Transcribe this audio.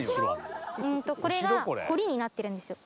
これが堀になってるんですよ。